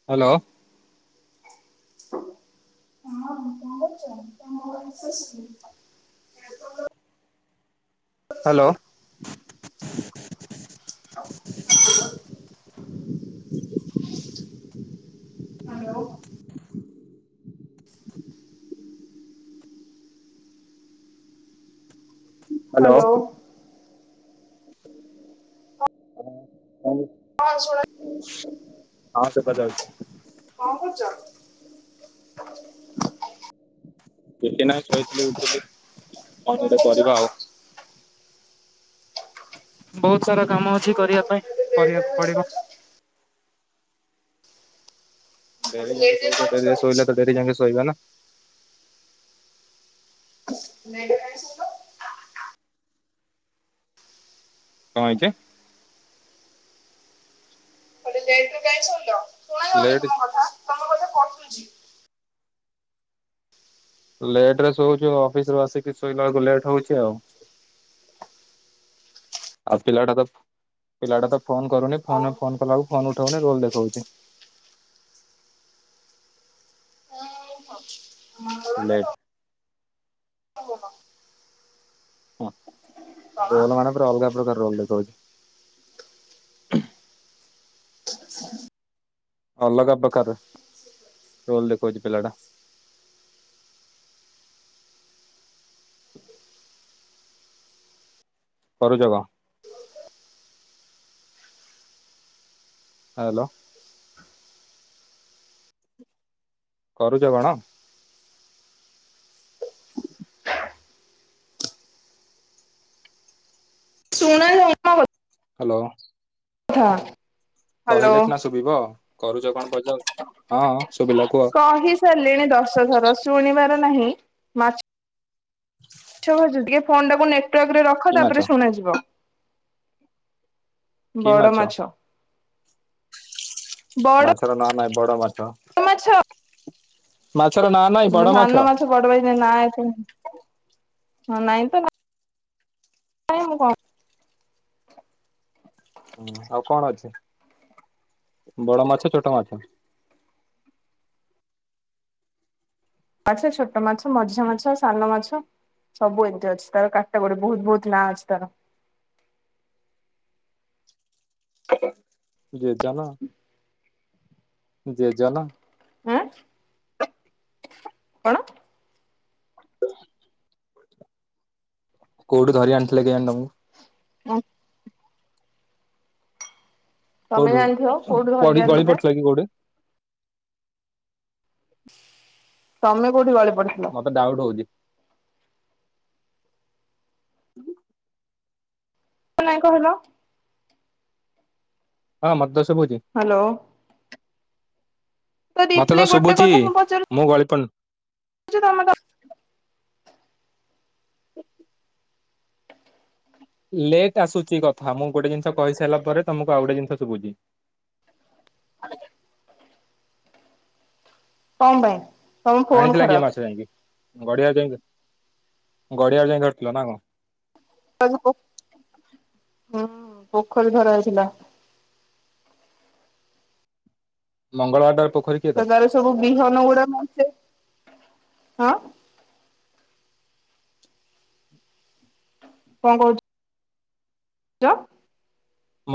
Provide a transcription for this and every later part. [inaudible] [inaudible] [inaudible] Hello. Hello. [unintelligible] ହଁ ଶୁଣା ହଁ ସୁବା ଯାଉଚି। କଁ କରୁଚ? କିଛି ନା ଶୋଇଥିଲି ଉଠିଲି କଣ ଗୋଟେ କରିବା ଆଉ। ବହୁତ ସାରା କାମ ଅଛି କରିବା ପାଇଁ ଏତେ ଲେଟ୍ ରେ କରିବାକୁ କାଇଁ ପଡିବ। ଶୋଇଛ? ଡେ ଏତେ ଯାେ ଲେଟ୍ ରେ ଶୋଇ କଣ ଡରିରେ ଶୋଇଛି? ଶୋଇଲା ତ ଡେରି ଯାେ ଶୋଇବା ନା। [unintelligible] କଣ ହେଇଛେ? ଏତେ ଲେଟ୍ ରେ କାଈ ସୋଉଛ ପଳା ଲେଡ଼ି। [unintelligible] ତମ କଥା କହୁଚି। ଲେଟ ରେ ଶୋଉଛୁ ଅଫିସ ରୁ ଆସିକି ଶୋଇଲା ବଳକୁ ଲେଟ୍ ହଉଛି ଆଉ। [inaudible] ଆଉ ପିଲାଟା ତ ପିଲାଟା ତ ଫୋନ କରୁନି ଓହୋ। ଫୋନରେ ଫୋନ କଲାକୁ ଫୋନ ଉଠାଉନି ରୋଲ ଦେଖାଉଛି। [unintelligible] ଲେଟ୍। [unintelligible] ହଁ କଣ? ରୋଲ ମାନରେ ଅଲଗା ପ୍ରକାର ରୋଲ ଦେଖାଉଛି। ଅଲଗା ବକାର ଟୋଲ ଦେଖଉଛି ପିଲାଟା। କରୁଛ କଣ? ହ୍ୟାଲୋ। କରୁଛ କଣ? ଶୁଣା ଯାଉନି ଭ ହ୍ୟାଲୋ। ଥା। କହିଲେ ସିନା ଶୁଭିବ କରୁଛ କଣ ପଚାର କହି ସାରିଲିଣି ଦଶ ଥର ଶୁଣିବାର ନାହିଁ। ମାଛ ଛ ଟିକେ ଫୋନ ଟାକୁ ନେଟୱାର୍କ ରେ ରଖ କି ମାଛ ତାପରେ ଶୁଣାଯିବ। ବଡ଼ ମାଛ। ବଡ ମାଛର ନାଁ ନହିଁ ବଡ ମାଛ। ମାଛ। ମାଛର ନାଁ। ନାଇଁ ବଡ ସାନ ମାଛ ପଡ ନାଁ ନାଇଁ ତ। [unintelligible] ହୁଁ ଆଉ କଣ ଅଛି ବଡ ମାଛ ଛୋଟ ମାଛ। ମାଛ ଛୋଟ ମାଛ ମଝିଆ ମାଛ ସାନ ମାଛ। ସବୁ ଏମିତି ଅଛି ତାର କାଟ ଗୋଡି ବହୁତ ବହୁତ ନାଁ ଅଛି ତାର। ଯେ ଜ ନ ଯେ ଜ। ନ ଆଁ କଣ? କୋଉଠି ଧରି ଆଣିଥିଲେ କିଆଣି ତବକୁ। [unintelligible] ତମେ କୋଉଠିୁ ଜାଣିଥିବ କୋଉଠୁ ଧରିକି ପଢି ଗଳି ଆଣିଥିଲେ? ପଢଥିଲା କି କୋଉଠି? ତମେ କୋଉଠି ବଳେ ପଡି ଥିଲ। ଡାଉଟ ହଉଛି। ନାଇ କହିଲ। ହଁ ମତେ ଶୁଭୁଛି ହ୍ୟାଲୋ। ମତେ ରିପ୍ଲାଏ ତ ଗୋଟେ ଶୁଭୁଛି। ମୁଁ ଗଳିପନ ଶୁଭୁଚି ତମେ ତ ଲେଟ୍ ଆସୁଛି କଥା। ମୁଁ ଗୋଟେ ଜିନିଷ କହିସାରିଲା ପରେ ତମକୁ ଆଉ ଗୋଟେ ଜିନିଷ ଶୁଭୁଛି। ଆଗଜେ। କଣ ପାଇଁ? ତମ ଫୋନ ଆଣିଥିଲା କିଏ ମାଛ ଖରାପ ଯାଇକି। ଗଡିଆ ଯାଇ ଗଡିଆକୁ ଯାଇ ଧରିଥିଲ ନା କଣ। ହୁଁ ପୋଖରୀ ଧରା ହେଇଥିଲା। ମଙ୍ଗଳବାର ଟାରେ ପୋଖରୀ ତ ତାର ସବୁ ବିହନ ଗୁଡାସେ ହଁ। କଣ କହୁଛ? ଡ।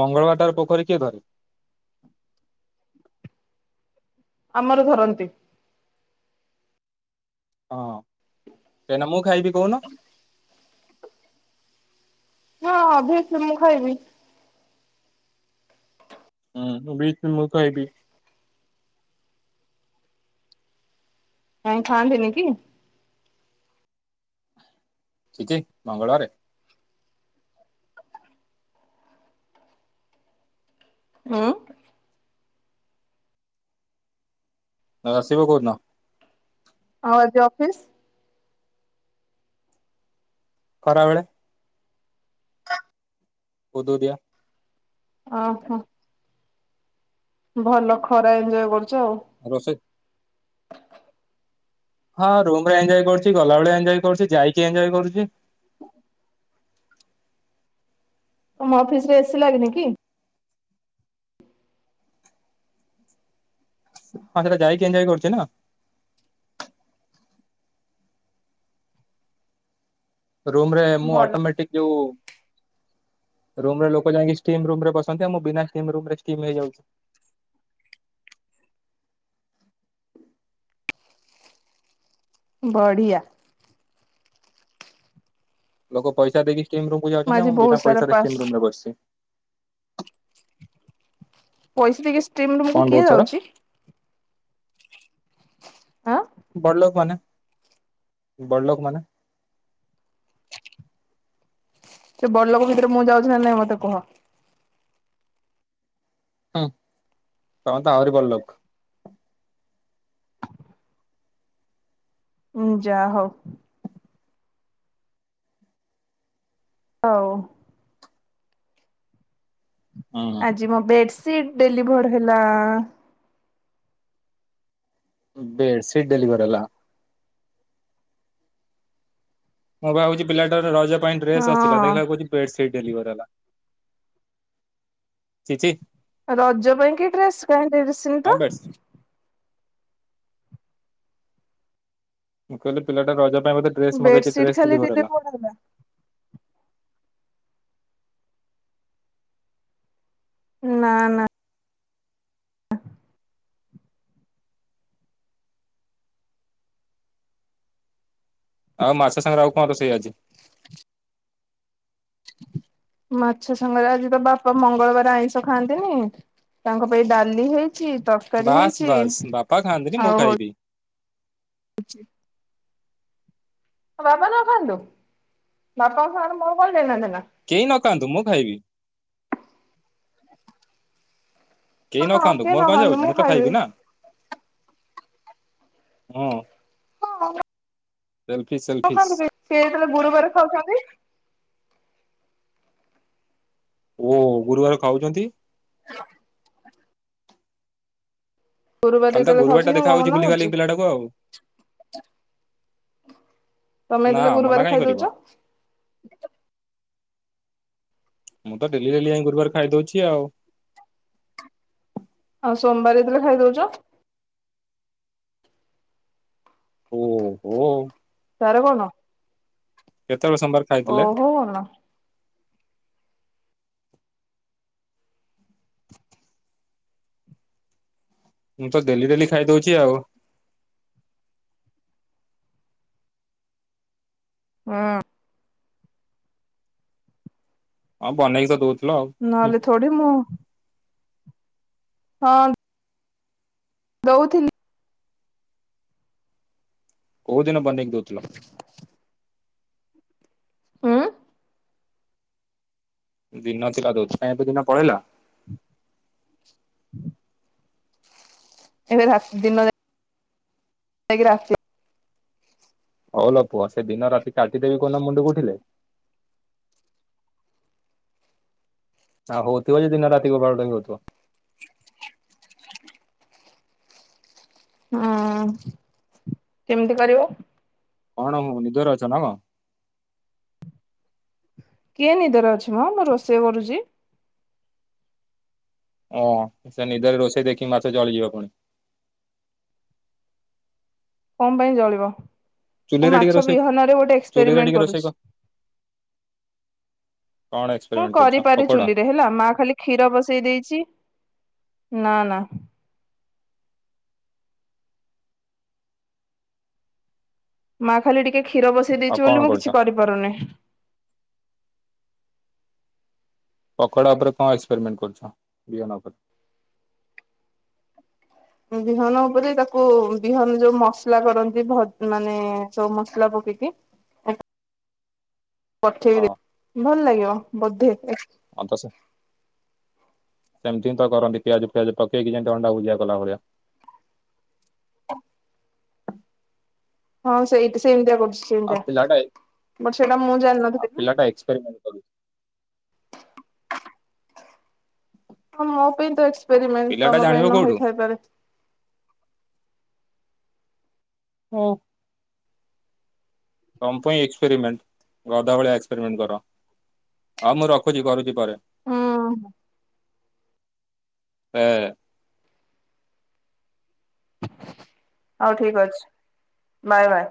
ମଙ୍ଗଳବାର ଟାରେ ପୋଖରୀ କିଏ ଧରେ? ଆମର ଧରନ୍ତି। ହଁ କହିଁକି ନା ମୁଁ ଖାଇବି କହୁନ। ହଁ ଭିସି ମୁଁ ଖାଇବି। ହଁ ବିଟି ମୁଁ ଖାଇବି। କାଇଁ ଖାନ୍ତିନିକି? ଛି ଛି ମଙ୍ଗଳବାରେ। ହୁଁ। ଆଉ ଆସିବୁ କୋଉଦିନ? ଆଉ ଆଜି ଅଫିସ୍? ଖରାବେଳେ। ଉଦୁଉଦିଆ। ଓହୋ। ଭଲ ଖରା ଏଞ୍ଜୟ କରୁଚ ଆଉ। ରୋଷେଇ ହଁ ରୁମରେ ଏଞ୍ଜୟ କରୁଛି, ଗଲାବେଳେ ଏଞ୍ଜୟ କରୁଛି, ଯାଇକି ଏଞ୍ଜୟ କରୁଛି। ତମ ଅଫିସରେ ଏସି ଲାଗନିକି? ହଁ ସେଟା ଯାଇକି ଏଞ୍ଜୟ କରୁଛି ନା। ରୁମରେ ମୁଁ ଭଲ ଅଟୋମେଟିକ ଯୋଉ ରୁମରେ ଲୋକ ଯାଇକି ଷ୍ଟିମ ରୁମରେ ବସନ୍ତି। ଆଉ ମୁଁ ବିନା ଷ୍ଟିମ ରୁମରେ ଷ୍ଟିମି ହେଇଯାଉଛି। ବଢିଆ। ଲୋକ ପଇସା ଦେଇକି ଷ୍ଟିମ ରୁମକୁ ଯାଉଛନ୍ତି। ଆଜି ଆଉ ମୁଁ ବହୁତ ବିନା ସାରା ପଇସାରେ ପାସ୍ ଷ୍ଟିମ ରୁମରେ ବସିଛି। ପଇସା ଦେଇକି ଷ୍ଟିମ ରୁମକୁ କଣ କିଏ ବହୁତ ସାରା ଯାଉଛି? ଆଁ। ବଡଲୋକ ମାନେ, ବଡଲୋକ ମାନେ। ସେ ବଡଲୋକ ଭିତରେ ମୁଁ ଯାଉଛି ନା ନାଇ ମତେ କୁହ? ହୁଁ ତମେତ ଆହୁରି ବଡଲୋକ। ଉଁ ଯାହଉ। ହଉ। ହଁ। ଆଜି ମୋ ବେଡସିଟ୍ ଡେଲିଭର୍ ହେଲା। ବେଡସିଟ୍ ଡେଲିଭର ହେଲା? ମୁଁ ଭାବୁଛି ପିଲାଟାର ରଜ ପାଇଁ ଡ୍ରେସ୍ ଆସିଲା। ହଁ ଦେଖିଲା ବଳକୁ କହୁଛି ବେଡସିଟ୍ ଡେଲିଭର ହେଲା। ଛିି ଛି। ରଜ ପାଇଁ କି ଡ୍ରେସ? କାହିଁ ଦେଡିସିନି ହଁ ତ। ବେଡସିଟ୍। ମୁଁ କହିଲି ପିଲାଟା ରଜ ପାଇଁ ବୋଧେ ଡ୍ରେସ ମଗେଇଚି। ବେଡସିଟ୍ ଡ୍ରେସ ଖାଲି ଡିଲିଭର ହେଲା। ଡେଲିଭର୍ ନା ନା। ଆଉ ମାଛ ସାଙ୍ଗରେ ଆଉ କଣ ରୋଷେଇ ଆଜି? [inaudible] ମାଛ ସାଙ୍ଗରେ ଆଜି ତ ବାପା ମଙ୍ଗଳବାର ଆଇଁଷ ଖାଆନ୍ତିନି। ତାଙ୍କ ପାଇଁ ଡାଲି ହେଇଛି ତରକାରୀ ବାସ୍ ହେଇଛି ବାସ୍ ବାପା ଖାଆନ୍ତିନି ମୁଁ ଆଉ ହଉ ଖାଇବି [inaudible] ଆଉ ବାପା ନଖାନ୍ତୁ ବାପାଙ୍କ ସାଙ୍ଗରେ ମୋର କଣ ଲେନା ଦେନା। କେହି ନ ଖାଆନ୍ତୁ ମୁଁ ଖାଇବି। କେହି ନ ହଁ ଖାଆନ୍ତୁ କିଏ ମୋର କଣ ଖାଆନ୍ତୁ ଯାଉଛି ମୁଁ ତ ଖାଇବି ଖାଇବିନାଁ ହଁ। [unintelligible] ସେଲଫି ସେଲ ନାଖନ୍ତୁ କେହି ସିଏ ଯେତେବେଳେ ଗୁରୁବାରେ ଖାଉଛନ୍ତି। ଓ ଗୁରୁବାରେ ଖାଉଛନ୍ତି? [inaudible] ଗୁରୁବାର ଖାଲି ତ ଯେତେବେଳେ ଗୁରୁବାରଟା ଖାଉଛନ୍ତି ଦେଖା ମୁଁ ହଉଛି ମନା ବୁଲି କରୁଛି ବାଲିକି ପିଲାଟାକୁ ଆଉ। ତମେ ନାଁ ଯେତେବେଳେ ଗୁରୁବାର ମନା କାହିଁ ଖାଇଦଉଛ। କରିବ। ମୁଁ ତ ଡେଲି ଡେଲି ଯାଇ ଗୁରୁବାର ଖାଇଦଉଛି ଆଉ। ଆଉ ସୋମବାରେ ଯେତେବେଳେ ଖାଇ ଦଉଛ। ଓଃ ହୋ। ସାରବନ କେତେବେଳେ ସୋମବାରେ। ଓହୋ ବନ ମୁଁ ତ ଡେଲି ଡେଲି ଖାଇଦଉଛି ଆଉ? [unintelligible] ହଁ ବନେଇକି ତ ଦଉଥିଲ ଆଉ। ନହେଲେ ଥୋଡ଼ି ମୁଁ ହଁ ଦଉଥିଲି। କୋଉ ଦିନ ବନେଇକି ଦଉଥିଲ। [inaudible] ଉଁ ଦିନ ଥିଲା ଦଉଥିଲ ଏବେ ଦିନ ପଳେଇଲା। [inaudible] ଏବେ ରାତି ଦିନ ଯାଇକି ରାତି ହଉ ଲୋ ପୁଅ ସେ ଦିନ ରାତି କାଟିଦେବି କୋଉ ଦିନ ମୁଣ୍ଡକୁ ଉଠିଲେ। ଆଉ ହୋଉଥିବ‌ ଯେ ଦିନ ରାତି କୋଉ ବାଳଟାକୁ ହୋଇଥିବ। ହୁଁ କେମିତି କରିବ? କଣ ମୋ ନିଦରେ ଅଛ ନା କଣ? କିଏ ନିଦରେ ଅଛି ମ ମୁଁ ରୋଷେଇ କରୁଛି। ଓଁ ସେ ନିଦରେ ରୋଷେଇ ଦେଖିକି ମାଛ ଜଳିଯିବ ପୁଣି। କଣ ପାଇଁ ଜଳିବ। ମୁଁ ଚୁଲିରେ ଟିକେ ମାଛ ରୋଷେଇ ବିହନରେ ଗୋଟେ ଚୁଲିରେ ଏକ୍ସପେରିମେଣ୍ଟ ଟିକେ ରୋଷେଇ କରୁଛି। କର। କଣ ମୁଁ ଏକ୍ସପେରିମେଣ୍ଟ କରୁଛ କରିପାରେ ପକୋଡା ଚୁଲିରେ ହେଲା ମା ଖାଲି କ୍ଷୀର ବସେଇ ଦେଇଛି ନା ନା ମା ଖାଲି ଟିକେ କ୍ଷୀର ବସେଇ ଆଉ ଦେଇଛି କଣ ବୋଲି ମୁଁ କରୁଛ କିଛି କରିପାରୁନି। ପକୋଡା ଉପରେ କଣ ଏକ୍ସପେରିମେଣ୍ଟ କରୁଛ ବିହନ ଉପରେ। ବିହନ ଉପରେ ତାକୁ ବିହନ ଯୋଉ ମସଲା କରନ୍ତି ଭ ମାନେ ଯୋଉ ମସଲା ପକେଇକି। ପଠେଇବି ଭଲ ଲାଗିବ ବୋଧେ? ଅତସ ସେମିତି ତ କରନ୍ତି ପିଆଜ ଫିଆଜ ପକେଇକି ଯେମତି ଅଣ୍ଡା ଭୁଜିଆ କଲା ଭଳିଆ। ହଁ ସେଇଠି ସେମିତିଆ କରୁଛି ଆଉ ସେଇଗୁରା ପିଲାଟା ବଟ୍ ସେଇଟା ମୁଁ ଜାଣିନଥିଲି ନା। ତା ଏକ୍ସପେରିମେଟ କରୁଛି। ହଁ ମୋ ପାଇଁ ତ ଏକ୍ସପେରିମେଣ୍ଟ ପିଲାଟା ତମ ଜାଣିବ ପାଇଁ ନ କୋଉଠୁ? ହେଇଥାଇପାରେ। ହୋଇ। ତମ ପାଇଁ ଏକ୍ସପେରିମେଣ୍ଟ ଗଧ ଭଳିଆ ଏକ୍ସପେରିମେଣ୍ଟ କର। ହଁ ମୁଁ ରଖୁଚି କରୁଛି ପରେ। ହୁଁ। [unintelligible] ହଉ ଠିକ୍ ଅଛି, ବାଏ ବାଏ।